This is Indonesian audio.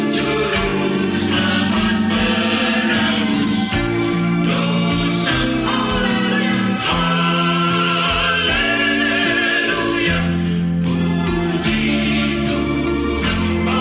juru selamat menangus dosa orang yang haleluya